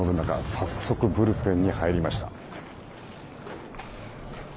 早速、ブルペンに入りました。